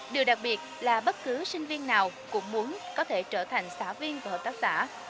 điều đặc biệt là bất cứ sinh viên nào cũng muốn có thể trở thành xã viên và hợp tác xã